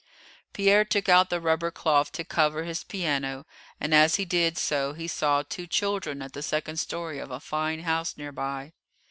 Pierre took out the rubber cloth to cover his piano, and as he did so he saw two children at the second story of a fine house near by.